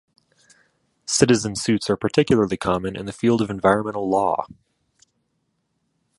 Citizen suits are particularly common in the field of environmental law.